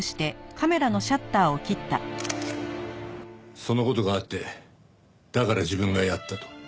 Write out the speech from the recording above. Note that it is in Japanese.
その事があってだから自分がやったと？